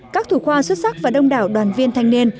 các thủ khoa xuất sắc và đông đảo đoàn viên thanh niên